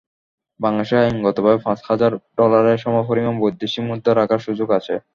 বাংলাদেশে আইনগতভাবে পাঁচ হাজার ডলারের সমপরিমাণ বৈদেশিক মুদ্রা রাখার সুযোগ আছে।